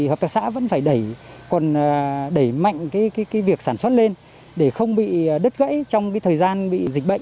hợp tác xã vẫn phải còn đẩy mạnh việc sản xuất lên để không bị đứt gãy trong thời gian bị dịch bệnh